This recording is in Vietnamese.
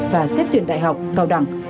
và xét tuyển đại học cao đẳng